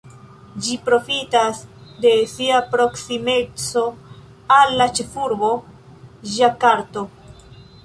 Ĝi profitas de sia proksimeco al la ĉefurbo, Ĝakarto.